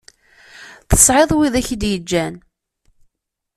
Tesεiḍ widak i d yeǧǧan